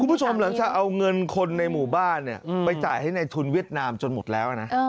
คุณผู้ชมหลังจากเอาเงินคนในหมู่บ้านไปจ่ายให้ในทุนเวียดนามจนหมดแล้วนะ